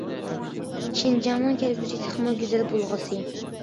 شىنجاڭنىڭ كەلگۈسى تېخىمۇ گۈزەل بولغۇسى!